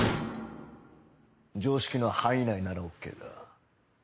常識の範囲内ならオーケーだ。